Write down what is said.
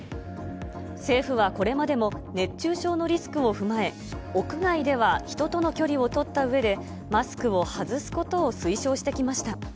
政府はこれまでも、熱中症のリスクを踏まえ、屋外では人との距離を取ったうえで、マスクを外すことを推奨してきました。